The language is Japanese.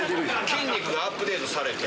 筋肉がアップデートされて。